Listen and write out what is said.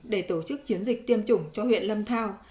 để tổ chức chiến dịch tiêm chủng cho huyện lâm thao